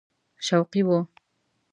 شوقي وو.